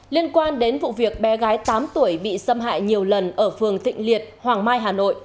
liên quan đến vụ việc bé gái tám tuổi bị xâm hại nhiều lần ở phường thịnh liệt hoàng mai hà nội